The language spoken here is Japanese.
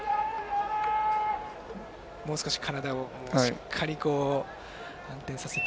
もう少し体をしっかり反転させて。